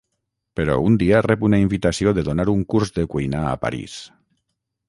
Però un dia rep una invitació de donar un curs de cuina a París.